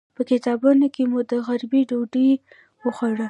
په کتابتون کې مو د غرمې ډوډۍ وخوړه.